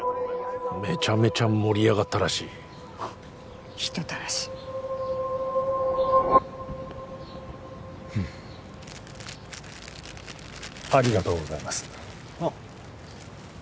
めちゃめちゃ盛り上がったらしい人たらしありがとうございますああ